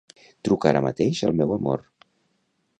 Truca ara mateix al meu amor.